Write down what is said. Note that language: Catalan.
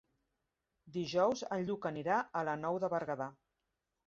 Dijous en Lluc anirà a la Nou de Berguedà.